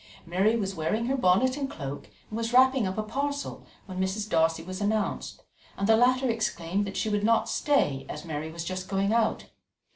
Mary was wearing her bonnet and cloak and was wrapping up a parcel when Mrs. Darcy was announced; and the latter exclaimed that she would not stay, as Mary was just going out.